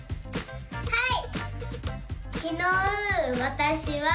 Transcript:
はい！